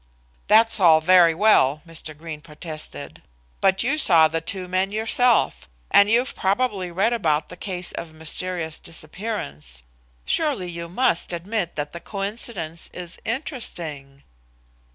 "That's all very well," Mr. Greene protested, "but you saw the two men yourself, and you've probably read about the case of mysterious disappearance. Surely you must admit that the coincidence is interesting?"